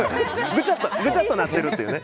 ぐちゃっとなってるというね。